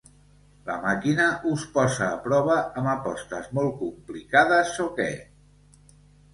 La màquina us posa a prova amb apostes molt complicades o què?